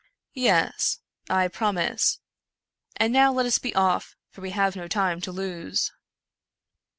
" Yes ; I promise ; and now let us be off, for we have no time to lose."